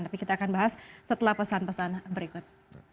tapi kita akan bahas setelah pesan pesan berikut